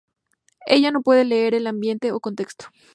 Ella no puede leer el ambiente o contexto.